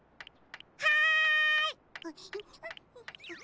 はい！